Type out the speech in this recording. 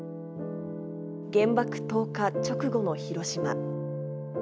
原爆投下直後の広島。